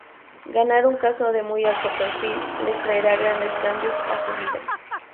Ganar un caso de muy alto perfil les traerá grandes cambios a sus vidas.